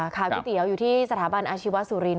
ก๋วยเตี๋ยวอยู่ที่สถาบันอาชีวะสุรินท